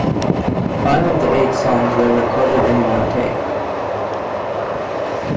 Five of the eight songs were recorded in one take.